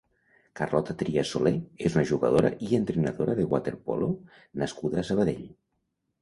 Carlota Trias Solé és una jugadora i entrenadora de waterpolo nascuda a Sabadell.